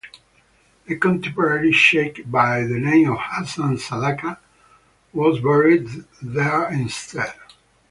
A contemporary sheikh by the name of Hasan Sadaqa was buried there instead.